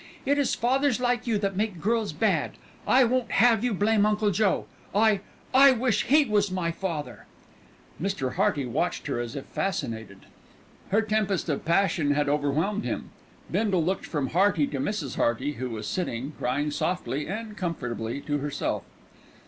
It is fathers like you that make girls bad. I won't have you blame Uncle Joe. I I wish he was my father." Mr. Hearty watched her as if fascinated. Her tempest of passion had overwhelmed him. Bindle looked from Hearty to Mrs. Hearty, who was sitting crying softly and comfortably to herself.